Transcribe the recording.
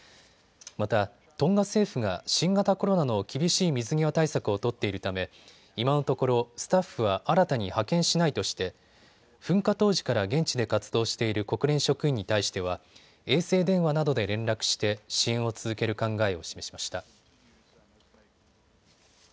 また、トンガ政府が新型コロナの厳しい水際対策を取っているため今のところスタッフは新たに派遣しないとして噴火当時から現地で活動している国連職員に対しては衛星電話などで連絡して支援を続ける考えを示しました。